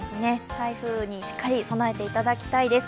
台風にしっかり備えていただきたいです。